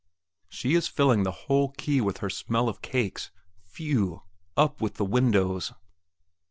She is filling the whole quay with her smell of cakes phew! up with the windows!